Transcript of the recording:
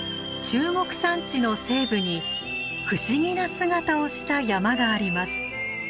中国山地の西部に不思議な姿をした山があります。